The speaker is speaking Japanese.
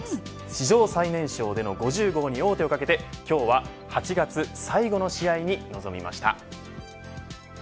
史上最年少での５０号に王手をかけて今日は８月最後の試合に臨みました。